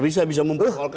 bisa mempersoalkan itu